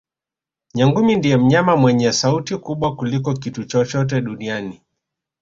Nyangumi ndiye mnyama mwenye sauti kubwa kuliko kitu chochote duniani